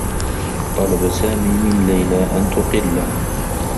طلب سامي من ليلى أن تقلّه.